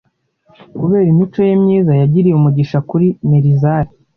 Kubera imico ye myiza, yagiriye umugisha kuri Melizari